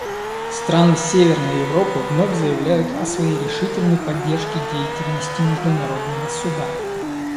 Страны Северной Европы вновь заявляют о своей решительной поддержке деятельности Международного Суда.